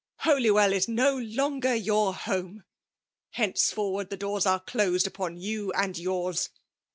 Holywell is no longer your hone! Heneefonmrd, Ac doors axe dksied upon you and yours.